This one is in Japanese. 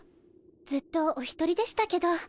ずっとおひとりでしたけど。